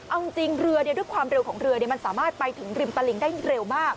เอาจริงเรือด้วยความเร็วของเรือมันสามารถไปถึงริมตลิงได้เร็วมาก